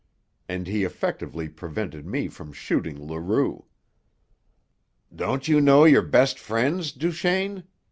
And he effectively prevented me from shooting Leroux. "Don't you know your best friends, Duchaine?"